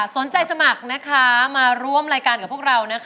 สนใจสมัครนะคะมาร่วมรายการกับพวกเรา